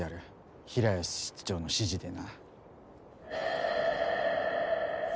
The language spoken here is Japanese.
平安室長の指示でな。